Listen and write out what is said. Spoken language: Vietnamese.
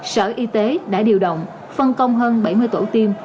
sở y tế đã điều động phân công hơn bảy mươi tổ tiêm